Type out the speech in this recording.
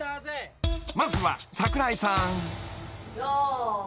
［まずは桜井さん］